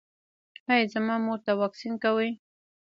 ایا زما مور ته واکسین کوئ؟